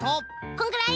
こんぐらい？